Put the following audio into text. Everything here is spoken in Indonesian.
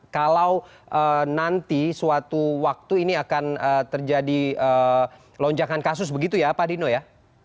kalau nanti suatu waktu ini akan terjadi lonjakan kasus begitu ya pak dino ya